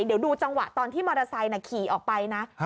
เดี๋ยวดูจังหวะตอนที่มอเตอร์ไซค์ขี่ออกไปนะ